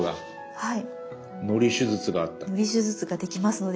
はい。